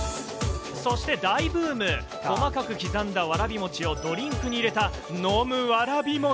そして、大ブーム、細かく刻んだわらび餅をドリンクに入れた、飲むわらび餅。